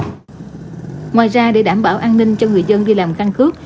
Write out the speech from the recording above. ngoài ra để đảm bảo an ninh cho người dân đi làm căn cước